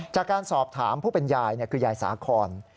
จากการสอบถามผู้เป็นยายคือยายสาคอน